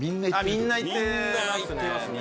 あっみんな行ってますね